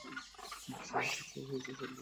যা কিছু হয়েছে সব ভুলে যা।